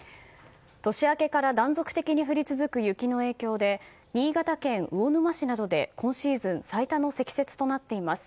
年明けから断続的に降り続く雪の影響で新潟県魚沼市などで今シーズン最多の積雪となっています。